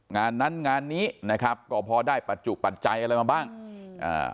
งานนั้นงานนี้นะครับก็พอได้ปัจจุปัจจัยอะไรมาบ้างอืมอ่า